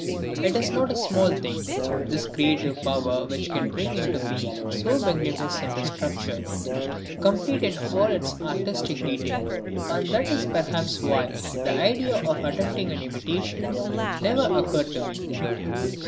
It is not a small thing, this creative power which can bring into being so magnificent a structure complete in all its artistic detail, and that is perhaps why the idea of attempting an imitation never occurred to me.